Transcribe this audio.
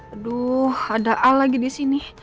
aduh ada al lagi disini